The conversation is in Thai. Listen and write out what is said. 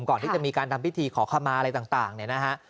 ก่อนที่จะมีการทำพิธีขอขมาอะไรต่างเนี่ยนะฮะ